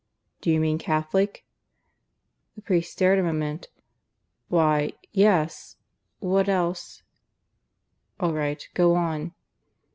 "Do you mean Catholic?" The priest stared a moment. "Why, yes. What else ?" "All right; go on."